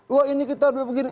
wah ini kita begini